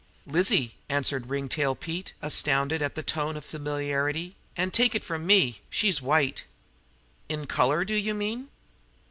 "Lizzie," answered Ringtail, astounded at the tone of familiarity; "an' take it from me she's white!" "In color, do you mean?"